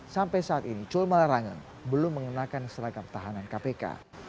sampai saat ini cul malarangeng belum mengenakan seragam tahanan kpk